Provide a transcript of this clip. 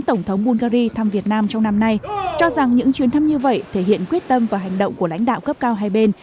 tổng thống bungary thăm việt nam trong năm nay cho rằng những chuyến thăm như vậy thể hiện quyết tâm và hành động của lãnh đạo cấp cao hai bên